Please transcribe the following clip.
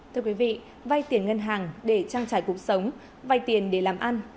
thưa quý vị vay tiền ngân hàng để trang trải cuộc sống vay tiền để làm ăn